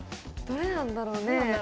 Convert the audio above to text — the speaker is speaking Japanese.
どれなんだろうね？